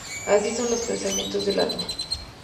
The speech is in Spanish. Así son los pensamientos del alma